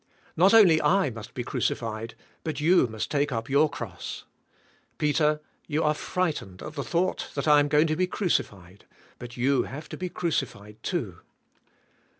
Not only I must be crucified, but you must take up your cross. Peter, you are frig htened at the thoug ht that I am g"oing to be crucified, but you have to be crucified, too."